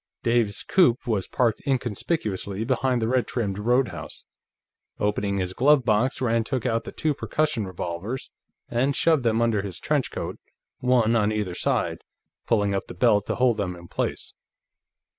Dave's coupé was parked inconspicuously beside the red trimmed roadhouse. Opening his glove box, Rand took out the two percussion revolvers and shoved them under his trench coat, one on either side, pulling up the belt to hold them in place.